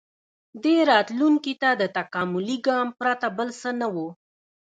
• دې راتلونکي ته د تکاملي ګام پرته بل څه نه و.